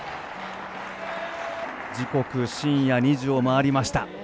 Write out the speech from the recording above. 時刻、深夜２時を回りました。